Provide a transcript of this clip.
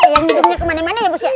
yang duduknya kemana mana ya bos ya